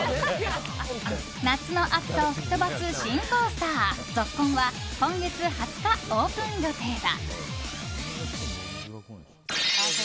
夏の暑さを吹き飛ばす新コースター、ＺＯＫＫＯＮは今月２０日、オープン予定だ。